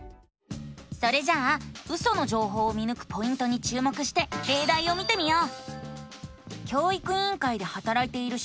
それじゃあウソの情報を見ぬくポイントに注目してれいだいを見てみよう！